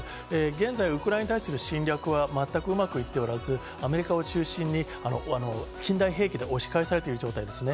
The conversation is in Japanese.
現在、ウクライナに対する侵略は全くうまくいっておらず、アメリカを中心に近代兵器で押し返されている状態ですね。